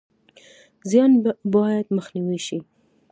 زیان باید مخنیوی شي